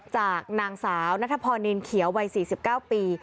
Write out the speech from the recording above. จากนางสาวนัทพรนินเขียววัย๔๙ปี